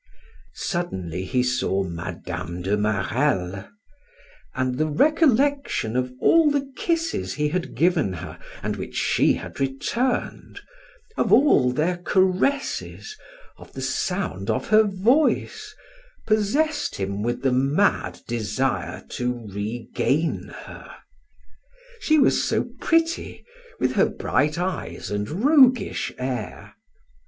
Suddenly he saw Mme. de Marelle, and the recollection of all the kisses he had given her and which she had returned, of all their caresses, of the sound of her voice, possessed him with the mad desire to regain her. She was so pretty, with her bright eyes and roguish air!